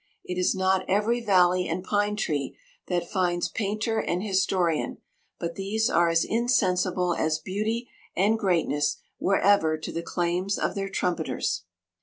It is not every valley and pine tree that finds painter and historian, but these are as insensible as beauty and greatness were ever to the claims of their trumpeters.